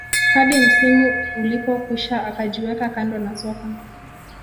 hadi msimu ulipokwisha akajiweka kando na soka